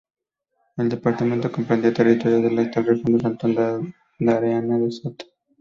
El departamento comprendía territorio de la actual región santandereana de Soto.